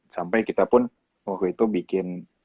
sampai kita pun waktu itu bikin